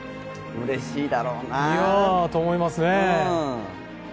うれしいだろうな。と思いますね。